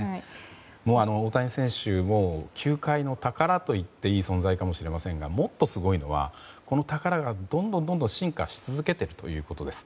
大谷選手、球界の宝と言っていい存在かもしれませんがもっとすごいのはこの宝がどんどん、どんどん進化し続けているということです。